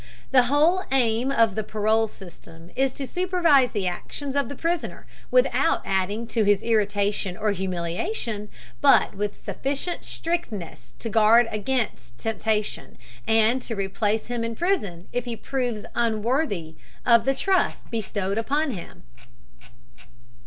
The whole aim of the parole system is to supervise the actions of the prisoner, without adding to his irritation or humiliation, but with sufficient strictness to guard him against temptation and to replace him in prison if he proves unworthy of the trust bestowed upon him.